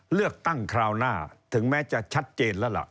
เลือกตั้งคราวหน้าถึงแม้จะชัดเจนแล้วล่ะ